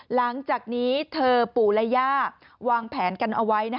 หลังจากนี้เธอปู่และย่าวางแผนกันเอาไว้